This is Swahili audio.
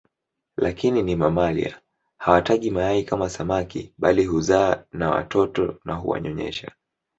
Lakini ni mamalia hawatagi mayai kama samaki bali huzaa na watoto na huwanyonyesha